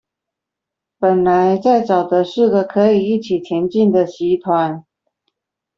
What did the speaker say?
本來在找的是個可以一起前進的集團